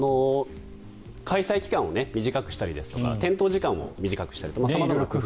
開催期間を短くしたりですとか点灯時間を短くしたり様々な工夫